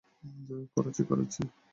করাচ্ছি, করাচ্ছি।